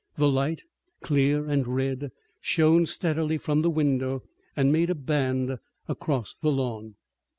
The light, clear and red, shone steadily from the window and made a band across the lawn.